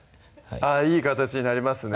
あぁいい形になりますね